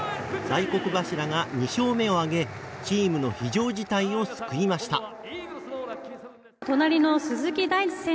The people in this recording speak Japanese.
大黒柱が２勝目を挙げチームの非常事態を救いました。